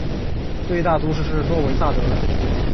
最大都市是诺维萨德。